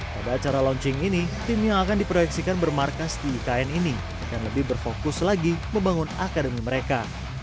pada acara launching ini tim yang akan diproyeksikan bermarkas di ikn ini akan lebih berfokus lagi membangun akademi mereka